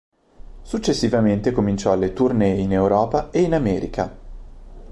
Successivamente cominciò le "tournée" in Europa ed in America.